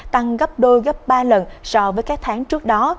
tăng gấp đôi gấp ba lần so với các tháng trước đó